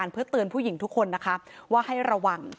เพื่อเตือนผู้หญิงทุกคนนะคะว่าให้ระวัง